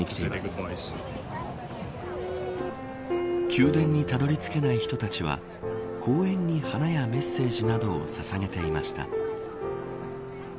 宮殿にたどり着けない人たちは公園に、花やメッセージを捧げていました。